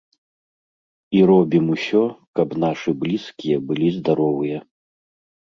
І робім усё, каб нашы блізкія былі здаровыя.